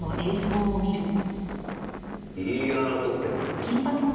言い争ってますね。